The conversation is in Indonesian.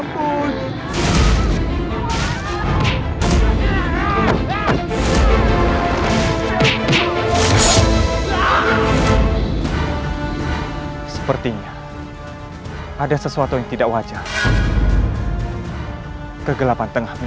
kepenangan dunia sana keperluan dunia sana